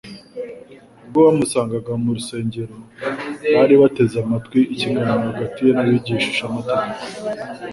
Ubwo bamusangaga mu rusengero, bari bateze amatwi ikiganiro hagati Ye n'abigishamategeko